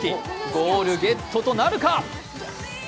ゴールゲットとなるか？